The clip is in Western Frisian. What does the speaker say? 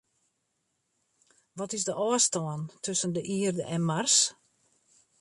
Wat is de ôfstân tusken de Ierde en Mars?